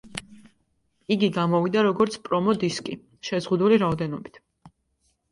იგი გამოვიდა, როგორც პრომო-დისკი, შეზღუდული რაოდენობით.